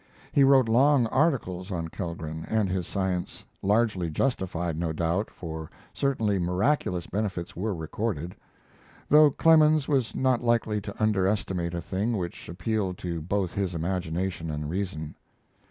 He wrote long articles on Kellgren and his science, largely justified, no doubt, for certainly miraculous benefits were recorded; though Clemens was not likely to underestimate a thing which appealed to both his imagination and his reason.